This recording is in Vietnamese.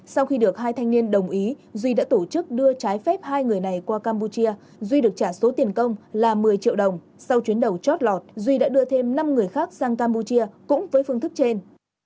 sau khi được hai thanh niên đồng ý duy đã tổ chức đưa trái phép hai người này qua campuchia duy được trả số tiền công là một mươi triệu đồng sau chuyến đầu chót lọt duy đã đưa thêm năm người khác sang campuchia cũng với phương thức trên